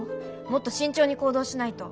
もっと慎重に行動しないと。